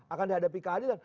akan dihadapi keadilan